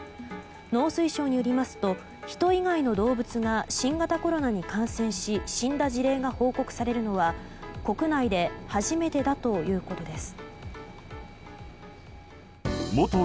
農水省によりますとヒト以外の動物が新型コロナに感染し死んだ事例が報告されるのは国内で初めてだということです。